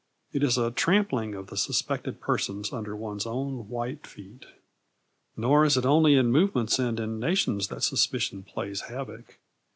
It is a trampling of the suspected persons under one's own white feet. Nor is it only in movements and in nations that suspicion plays havoc.